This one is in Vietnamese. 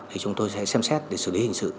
thì chúng tôi sẽ xem xét để xử lý